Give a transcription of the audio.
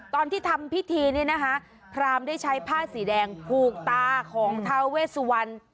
ตอนที่ทำพิธีเนี่ยนะคะพรามได้ใช้ผ้าสีแดงผูกตาของทาเวสวัน